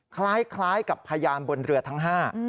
คล้ายกับพยานบนเรือทั้ง๕